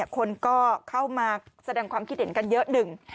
คนก็เข้ามาแสดงความคิดเห็นกันเยอะหนึ่ง